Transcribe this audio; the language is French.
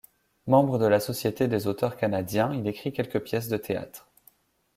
Membre de la Société des auteurs canadiens, il écrit quelques pièces de théâtre.